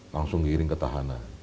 langsung diiring ke tahanan